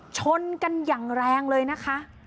ชนกันอย่างแรงเลยนะคะ